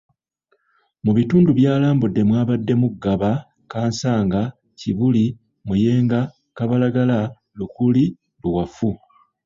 Mu bitundu byalambudde mwabaddemu; Gaba, Kansanga, Kibuli, Muyenga, Kabalagala, Lukuli, Luwafu.